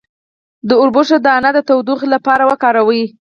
د وربشو دانه د تودوخې لپاره وکاروئ